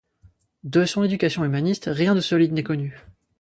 De son éducation humaniste, rien de solide n'est connu.